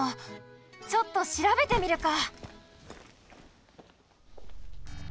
ちょっとしらべてみるか！